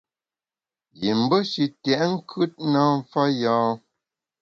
Yim be shi tèt nkùt na mfa yâ.